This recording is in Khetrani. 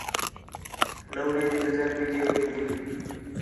لَولیں تی نظر مینجے اُتّوں ہی